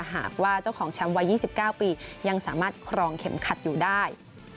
หากว่าเจ้าของแชมป์วัย๒๙ปียังสามารถครองเข็มขัดอยู่ได้